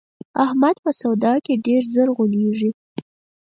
احمد په سودا کې ډېر زر غولېږي.